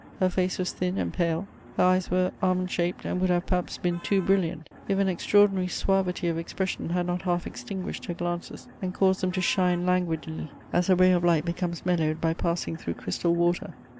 Her face was thin and pale; her eyes were almond shaped and would have perhaps been too brilliant, if an extraordinary suavity of expression had not half extinguished her glances and caused them to shine languidly, as a ray of light becomes mellowed by passing through crystal water.